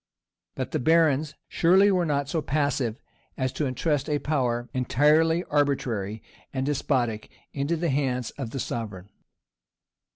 But the barons surely were not so passive as to intrust a power, entirely arbitrary and despotic, into the hands of the sovereign.